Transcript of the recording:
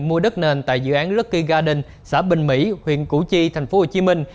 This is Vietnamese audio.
mua đất nền tại dự án lucky garden xã bình mỹ huyện củ chi thành phố hồ chí minh